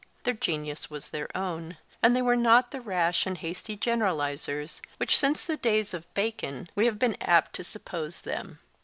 Their genius was their own; and they were not the rash and hasty generalizers which, since the days of Bacon, we have been apt to suppose them.